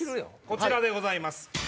こちらでございます。